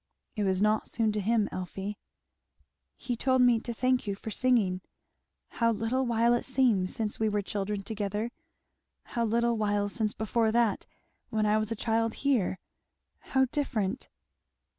"It was not soon to him, Elfie." "He told me to thank you for singing. How little while it seems since we were children together how little while since before that when I was a little child here how different!"